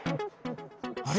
あれ？